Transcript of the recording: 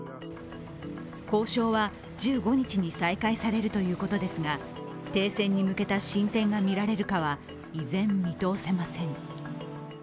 交渉は１５日に再開されるということですが停戦に向けた進展がみられるかは依然、見通せません。